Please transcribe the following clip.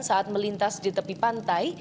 saat melintas di tepi pantai